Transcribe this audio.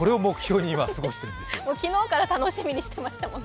昨日から楽しみにしてましたよね。